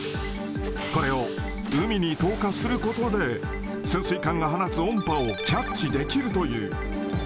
これを海に投下することで、潜水艦が放つ音波をキャッチできるという。